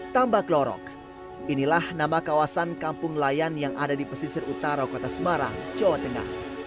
tambak lorok inilah nama kawasan kampung layan yang ada di pesisir utara kota semarang jawa tengah